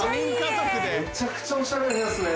めちゃくちゃおしゃれな部屋ですね。